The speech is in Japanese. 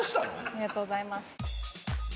ありがとうございます。